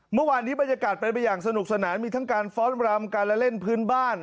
บรรยากาศเป็นไปอย่างสนุกสนานมีทั้งการฟ้อนรำการละเล่นพื้นบ้าน